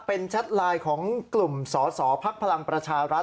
เป็นแชทไลน์ของกลุ่มสอสอภักดิ์พลังประชารัฐ